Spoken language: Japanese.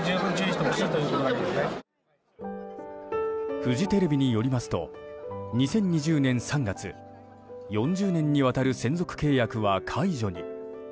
フジテレビによりますと２０２０年３月４０年にわたる専属契約は解除に。